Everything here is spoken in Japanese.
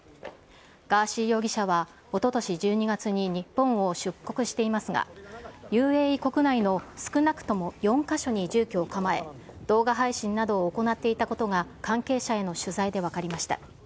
ガーシー容疑者は、おととし１２月に日本を出国していますが、ＵＡＥ国内の少なくとも４か所に住居を構え、動画配信などを行っていたことが関係者への取材で分かりました。